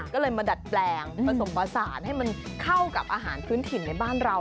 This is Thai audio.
ก็เลยมาดัดแปลงผสมผสานให้มันเข้ากับอาหารพื้นถิ่นในบ้านเรา